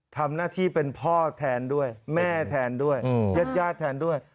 ทำหน้าที่เป็นพ่อแทนด้วยแม่แทนด้วยญาติญาติแทนด้วย